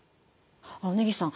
あの根岸さん